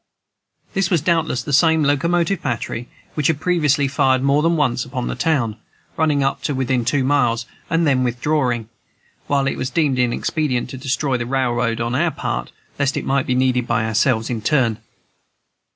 This was doubtless the same locomotive battery which had previously fired more than once upon the town, running up within two miles and then withdrawing, while it was deemed inexpedient to destroy the railroad, on our part, lest it might be needed by ourselves in turn.